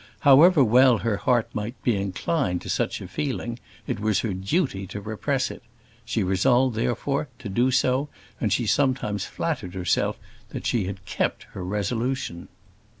However well her heart might be inclined to such a feeling, it was her duty to repress it. She resolved, therefore, to do so; and she sometimes flattered herself that she had kept her resolution.